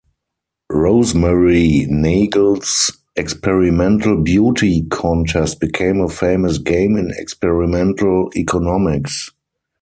Rosemarie Nagel's experimental beauty contest became a famous game in experimental economics.